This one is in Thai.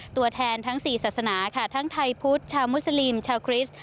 ตัวแทนทั้ง๔ศาสนาค่ะทั้งไทยพุทธชาวมุสลิมชาวคริสต์